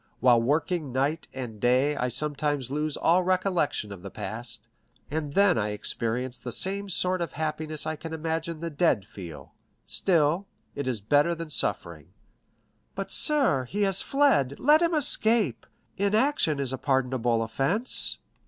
While working night and day, I sometimes lose all recollection of the past, and then I experience the same sort of happiness I can imagine the dead feel; still, it is better than suffering." "But, sir, he has fled; let him escape—inaction is a pardonable offence."